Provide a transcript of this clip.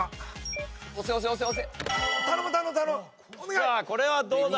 さあこれはどうだ？